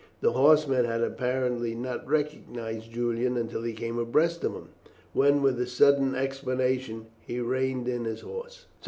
The horseman had apparently not recognized Julian until he came abreast of him, when, with a sudden exclamation, he reined in his horse.